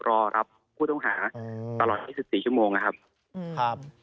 รอรับคู่ต้องหาตลอด๒๔ชั่วโน้ม